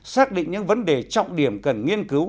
xác định những vấn đề trọng điểm cần nghiên cứu